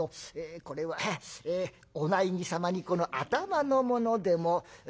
これはええお内儀様にこの頭の物でも。